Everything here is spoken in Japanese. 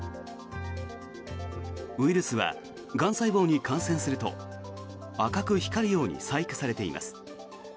ウイルスはがん細胞に感染すると赤く光るように細工されています。